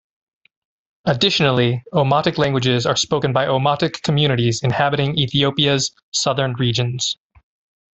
Additionally, Omotic languages are spoken by Omotic communities inhabiting Ethiopia's southern regions.